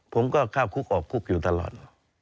ผมก็เข้าคุกออกคุกอยู่ตลอด